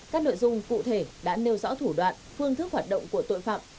các nội dung cụ thể đã nêu rõ thủ đoạn phương thức hoạt động của tội phạm